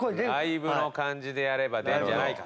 ライブの感じでやれば出るんじゃないか。